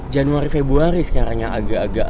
januari februari sekarang yang agak agak